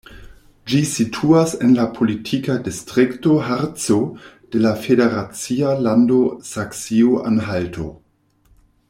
Ĝi situas en la politika distrikto Harco de la federacia lando Saksio-Anhalto.